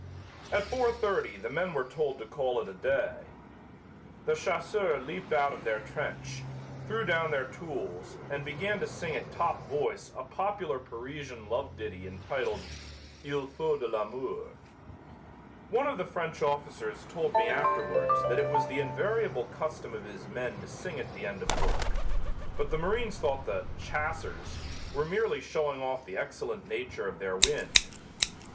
At four thirty the men were told to call it a day. The chasseurs leaped out of their trench; threw down their tools, and began to sing at top voice a popular Parisian love ditty entitled "Il faut de l'amour." One of the French officers told me afterwards that it was the invariable custom of his men to sing at the end of work, but the marines thought the "chassers" were merely showing off the excellent nature of their wind.